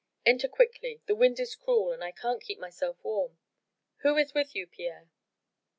"Enter quickly. The wind is cruel, and I can't keep myself warm. Who is with you, Pierre?"